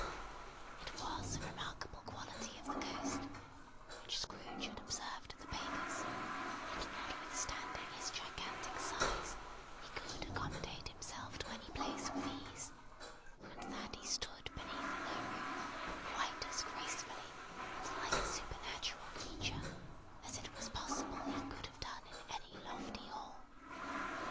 It was a remarkable quality of the Ghost (which Scrooge had observed at the baker's), that notwithstanding his gigantic size, he could accommodate himself to any place with ease; and that he stood beneath a low roof quite as gracefully and like a supernatural creature, as it was possible he could have done in any lofty hall.